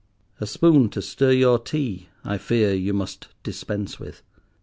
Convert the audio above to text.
A spoon to stir your tea, I fear you must dispense with.